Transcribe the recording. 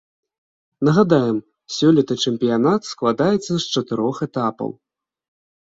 Нагадаем, сёлета чэмпіянат складаецца з чатырох этапаў.